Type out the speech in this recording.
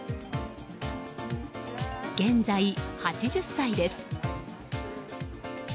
現在、８０歳です。